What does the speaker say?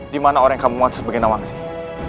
di mana orang kamu muat sebagai nawang esim